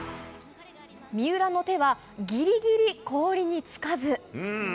三浦の手はぎりぎり氷につかず。